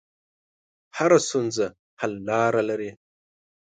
هره ستونزه حل لاره لري.